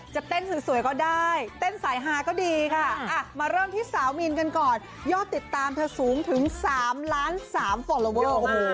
จะเต้นสวยก็ได้เต้นสายฮาก็ดีค่ะมาเริ่มที่สาวมีนกันก่อนยอดติดตามเธอสูงถึง๓ล้าน๓ฟอลลอเวอร์